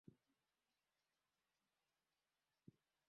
nchi ambako watakuwa raia huru bila kasoro Tangu kuja kwa Uislamu